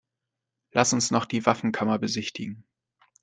Lass uns noch die Waffenkammer besichtigen.